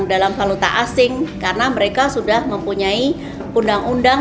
dalam valuta asing karena mereka sudah mempunyai undang undang